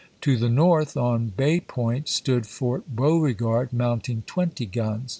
To the north, on Bay Point, stood Fort Beauregard, mounting twenty guns.